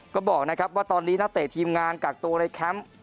ก็บอกนะครับว่าตอนนี้นักเตะทีมงานกักตัวในแคมป์